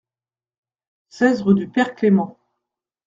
seize rue du Père Clément